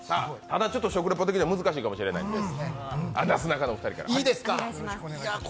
食レポ的には難しいかもしれないですからね。